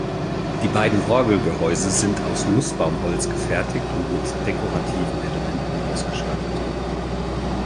Die beiden Orgelgehäuse sind aus Nussbaum-Holz gefertigt und mit dekorativen Elementen ausgestattet.